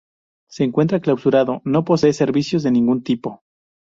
Se encuentra clausurado, no posee servicios de ningún tipo.